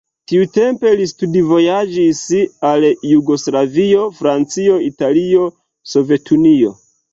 Tiutempe li studvojaĝis al Jugoslavio, Francio, Italio, Sovetunio.